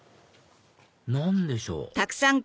何でしょう？